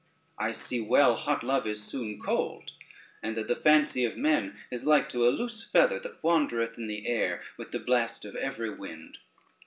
I see well hot love is soon cold, and that the fancy of men is like to a loose feather that wandereth in the air with the blast of every wind."